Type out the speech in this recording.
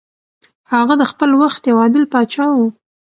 هغه د خپل وخت یو عادل پاچا و.